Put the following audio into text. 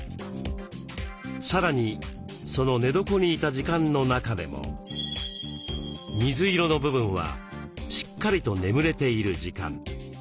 さらにその寝床にいた時間の中でも水色の部分はしっかりと眠れている時間。